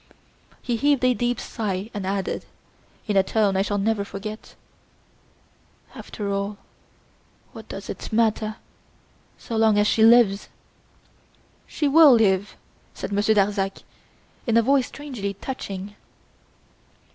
He heaved a deep sigh and added, in a tone I shall never forget: "After all, what does it matter, so long as she lives!" "She will live!" said Monsieur Darzac, in a voice strangely touching.